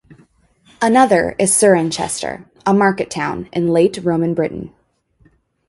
Another is Cirencester, a market town in late Roman Britain.